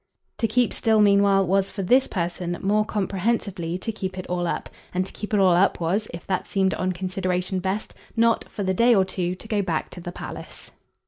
To keep still meanwhile was, for this person, more comprehensively, to keep it all up; and to keep it all up was, if that seemed on consideration best, not, for the day or two, to go back to the palace.